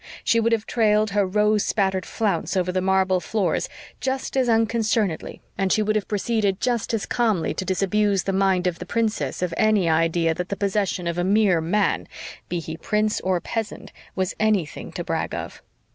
She would have trailed her rose spattered flounce over the marble floors just as unconcernedly, and she would have proceeded just as calmly to disabuse the mind of the princess of any idea that the possession of a mere man, be he prince or peasant, was anything to brag of.